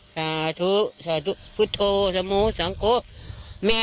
สู้กันแม่